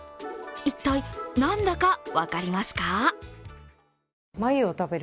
一体何だか分かりますか？